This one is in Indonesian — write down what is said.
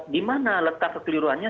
di mana letak kekeliruannya